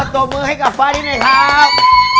ตบมือให้กับฟ้านิดหน่อยครับ